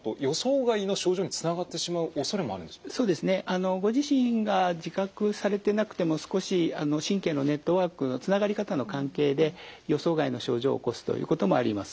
あのご自身が自覚されてなくても少し神経のネットワークのつながり方の関係で予想外の症状を起こすということもあります。